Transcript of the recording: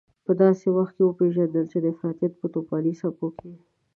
په داسې وخت کې وپېژندل چې د افراطيت په توپاني څپو کې.